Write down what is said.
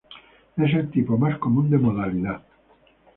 Es el tipo más común de modalidad.